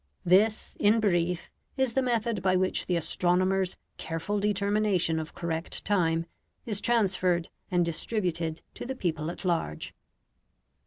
This, in brief, is the method by which the astronomer's careful determination of correct time is transferred and distributed to the people at large.